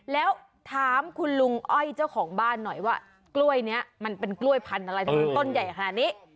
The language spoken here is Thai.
แล้วถามคุณลุงอ้อยเจ้าของบ้านหน่อยว่ากล้วยนี้มันเป็นกล้วยพันธุ์อะไรทำไมต้นใหญ่ขนาดนี้